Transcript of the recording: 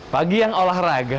pagi yang olahraga